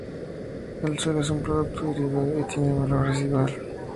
El suelo es un producto derivado, y tiene un valor residual.